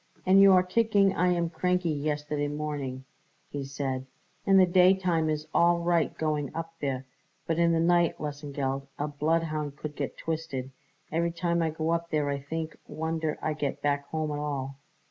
"And you are kicking I am cranky yesterday morning," he said. "In the daytime is all right going up there, but in the night, Lesengeld, a bloodhound could get twisted. Every time I go up there I think wonder I get back home at all."